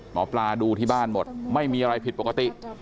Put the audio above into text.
หมอปลาดูที่บ้านหมดไม่มีอะไรผิดปกติ